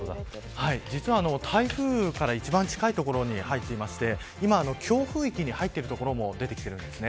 実は台風から一番近い所に入っていまして今、強風域に入っている所もできています。